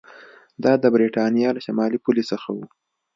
دا د برېټانیا له شمالي پولې څخه و